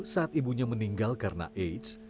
saat ibunya meninggal karena aids